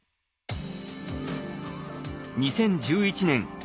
２０１１年